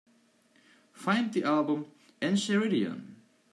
Find the album Encheiridion